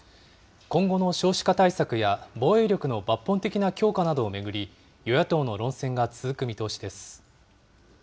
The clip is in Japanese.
今後の少子化対策や防衛力の抜本的な強化などを巡り、与野党の論戦が続く見通しです。